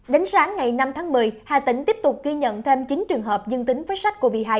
đến sáng ngày năm tháng một mươi hà tĩnh tiếp tục ghi nhận thêm chín trường hợp dương tính với sars cov hai